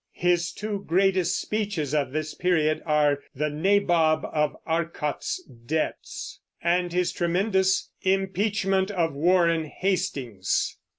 His two greatest speeches of this period are "The Nabob of Arcot's Debts" and his tremendous "Impeachment of Warren Hastings."